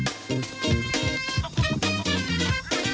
สวัสดีค่ะข้าวใส่ไข่สดใหม่ให้เยอะ